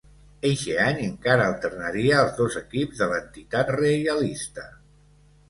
Eixe any encara alternaria els dos equips de l'entitat reialista.